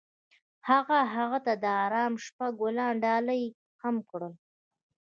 هغه هغې ته د آرام شپه ګلان ډالۍ هم کړل.